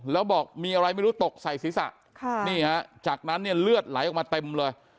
แล้วบอกมีอะไรไม่รู้ตกใส่ศีรษะนี่ฮะจากนั้นเนี่ยเลือดไหลออกมาเต็มเลย